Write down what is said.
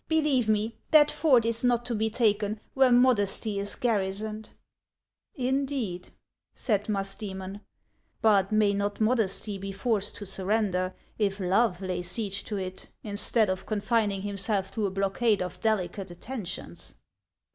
Believe me, that fort is not to be taken where Modesty is garrisoned." " Indeed !" said Musdcemon. " But may not Modesty be forced to surrender, if Love lay siege to it, instead of confining himself to a blockade of delicate attentions